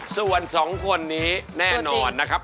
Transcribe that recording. ส่วน๒คนนี้แน่นอนนะครับ